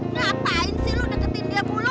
ngapain sih lo deketin dia bola